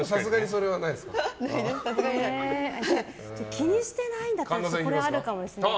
気にしてないならこれはあるかもしれない。